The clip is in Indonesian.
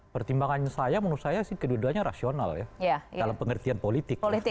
pertimbangan saya menurut saya sih kedua duanya rasional ya dalam pengertian politik